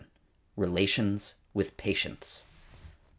RELATIONS WITH PATIENTS.